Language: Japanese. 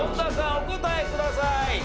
お答えください。